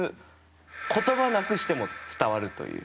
言葉なくしても伝わるという。